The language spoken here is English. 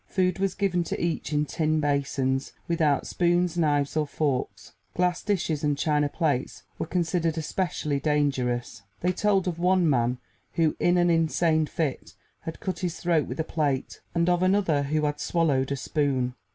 Food was given to each in tin basins, without spoons, knives or forks. Glass dishes and china plates were considered especially dangerous; they told of one man who in an insane fit had cut his throat with a plate, and of another who had swallowed a spoon.